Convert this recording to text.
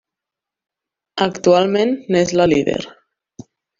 Actualment n'és la líder.